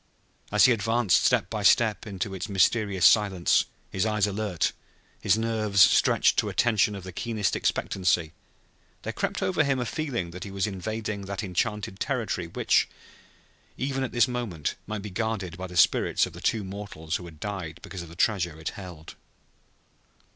As he advanced step by step into its mysterious silence, his eyes alert, his nerves stretched to a tension of the keenest expectancy, there crept over him a feeling that he was invading that enchanted territory which, even at this moment, might be guarded by the spirits of the two mortals who had died because of the treasure it held.